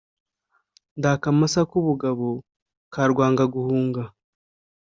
ndi akamasa k’ubugabo ka Rwangaguhunga